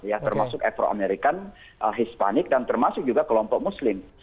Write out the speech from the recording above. ya termasuk ever american hispanik dan termasuk juga kelompok muslim